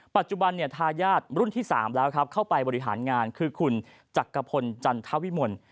ปัจจุบันเนี่ยทายาทรุ่นที่๓แล้วครับเข้าไปบริหารงานคือคุณจักรพลจันทวิมล